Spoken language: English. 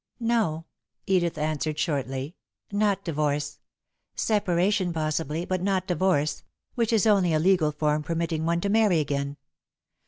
"No," Edith answered, shortly, "not divorce. Separation, possibly, but not divorce, which is only a legal form permitting one to marry again.